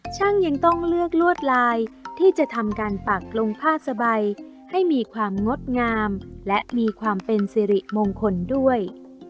ช่างยังต้องเลือกลวดลายที่จะทำการปักลงผ้าสบายให้มีความงดงามและมีความเป็นสิริมงคลด้วย